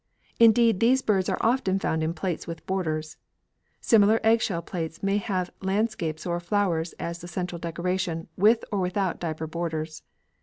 Indeed, these birds are often found in plates with borders. Similar eggshell plates may have landscapes or flowers as the central decoration with or without diaper borders.